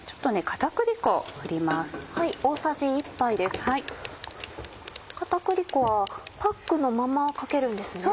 片栗粉はパックのままかけるんですね。